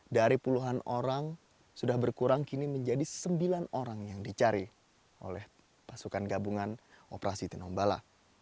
dari puluhan orang sudah berkurang kini menjadi sembilan orang yang dicari oleh pasukan gabungan operasi tinombala